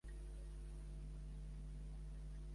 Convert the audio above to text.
Zylberberg va néixer a Buenos Aires, Argentina.